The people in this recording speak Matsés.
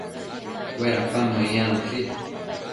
Uedapan meyanoshi